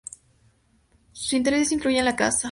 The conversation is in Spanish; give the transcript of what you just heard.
Sus intereses incluyen la caza.